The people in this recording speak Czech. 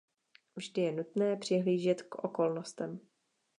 Vždy je nutné přihlížet k okolnostem.